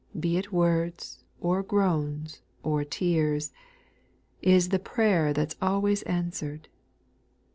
Be it words, or groans, or tears. Is the prayer that 's always answered